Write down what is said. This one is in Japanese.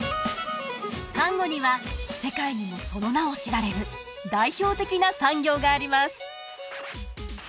丹後には世界にもその名を知られる代表的な産業があります